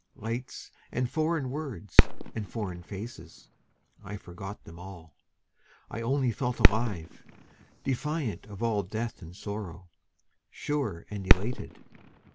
Lights and foreign words and foreign faces, I forgot them all; I only felt alive, defiant of all death and sorrow, Sure and elated.